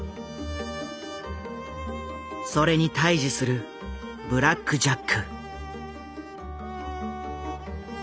それに対峙するブラック・ジャック。